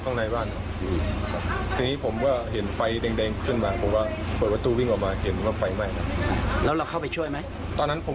ตอนนั้นสภาพเก๊เป็นอย่างไรโดนไฟลวกใช่ไหม